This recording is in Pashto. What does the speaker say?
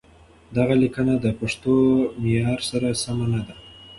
دغه ليکنه د پښتو معيار سره سمه نه ده.